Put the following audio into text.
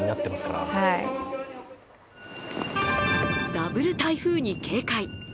ダブル台風に警戒。